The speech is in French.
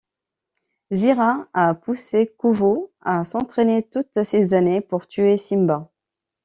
Zira a poussé Kovu à s'entrainer toutes ces années pour tuer Simba.